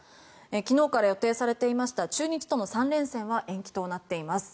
昨日から予定されていました中日との３連戦は延期となっています。